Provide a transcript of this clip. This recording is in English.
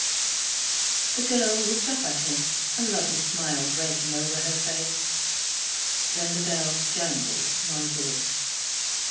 The girl looked up at him, a lovely smile breaking over her face. Then the bell jangled noisily.